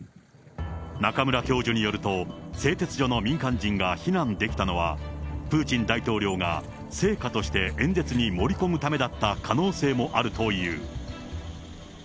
中村教授によると、製鉄所の民間人が避難できたのは、プーチン大統領が成果として演説に盛り込むためだった可能性もあるという。